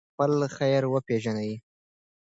خپل خیر وپېژنئ.